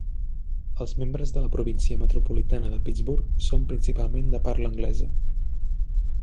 Els membres de la província metropolitana de Pittsburgh són principalment de parla anglesa.